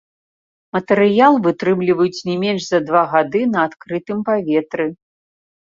Матэрыял вытрымліваюць не менш за два гады на адкрытым паветры.